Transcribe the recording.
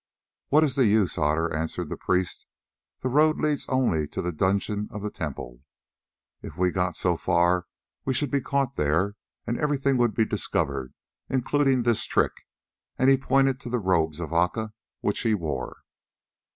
"What is the use, Otter?" answered the priest. "The road leads only to the dungeons of the temple; if we got so far we should be caught there, and everything would be discovered, including this trick," and he pointed to the robes of Aca, which he wore.